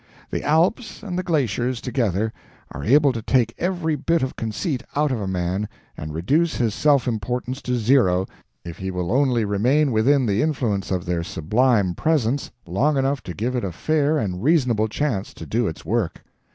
The Alps and the glaciers together are able to take every bit of conceit out of a man and reduce his self importance to zero if he will only remain within the influence of their sublime presence long enough to give it a fair and reasonable chance to do its work.